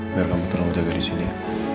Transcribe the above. biar lo tolong jaga disini ya